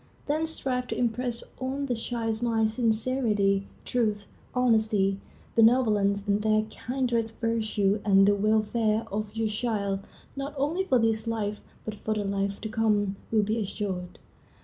Then strive to impress on the child's mind sincerity, truth, honesty, benevolence, and their kindred virtues, and the welfare of your child, not only for this life, but for the life to come, will be assured.